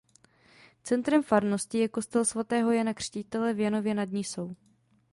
Centrem farnosti je kostel svatého Jana Křtitele v Janově nad Nisou.